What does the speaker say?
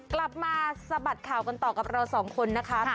กลับมาสะบัดข่าวกันต่อกับเราสองคนนะคะ